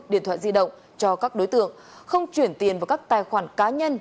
điện thoại di động cho các đối tượng không chuyển tiền vào các tài khoản cá nhân